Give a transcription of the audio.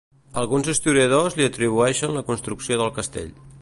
Alguns historiadors li atribueixen la construcció del castell.